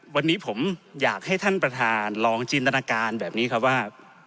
วันนี้ผมอยากให้ท่านประธานลองจินตนาการแบบนี้ครับว่า